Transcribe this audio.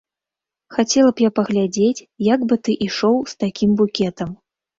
Хацела б я паглядзець, як бы ты ішоў з такім букетам.